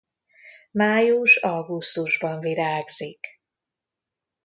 Május-augusztusban virágzik.